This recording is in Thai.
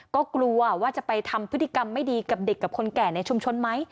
ก็กลัวว่าจะไปทำพฤติกรรมไม่ดีกับเด็กกับคนแก่ในชุมชนไหม